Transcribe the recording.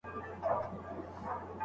د هنر له ګوتو جوړي ګلدستې وې